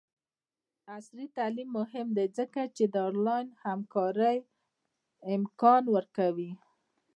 عصري تعلیم مهم دی ځکه چې د آنلاین همکارۍ امکان ورکوي.